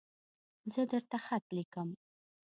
زه درته خط لیکم